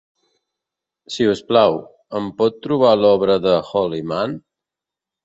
Si us plau, em pots trobar l'obra The Holy Man?